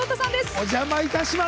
お邪魔いたします。